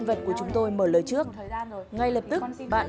và con sẽ là một người ăn bàn